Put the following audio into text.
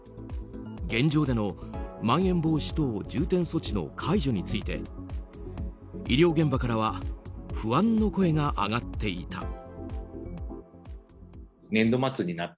現状でのまん延防止等重点措置の解除について医療現場からは不安の声が上がっていた。